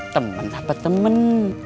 temen apa temen